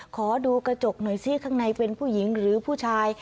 ขอดูกระจกหน่อยสิข้างในเป็นผู้หญิงหรือผู้ชาย